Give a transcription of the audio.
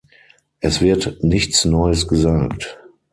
Es wird nichts Neues gesagt.